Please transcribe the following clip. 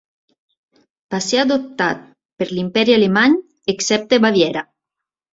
Va ser adoptat per l'Imperi Alemany, excepte Baviera.